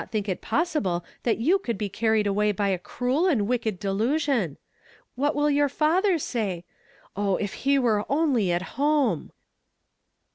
n ' that you could be carried away by a cruel and wicked delusion. What will your father say? Oh, if he were only at home